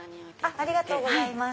ありがとうございます。